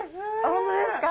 ホントですか？